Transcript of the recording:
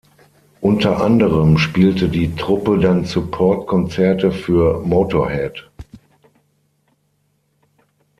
Unter anderem spielte die Truppe dann Support-Konzerte für Motörhead.